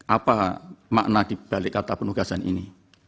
apa makna dibalik kata penugasan ini